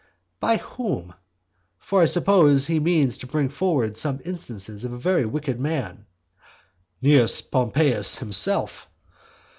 By whom? For I suppose he means to bring forward some instance of a very wicked man. "Cnaeus Pompeius himself?"